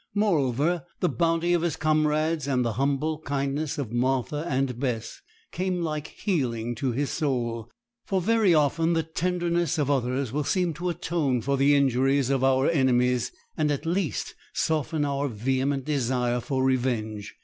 Moreover, the bounty of his comrades, and the humble kindness of Martha and Bess, came like healing to his soul; for very often the tenderness of others will seem to atone for the injuries of our enemies, and at least soften our vehement desire for revenge.